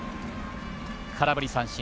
空振り三振。